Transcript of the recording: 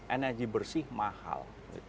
energy bersih mahal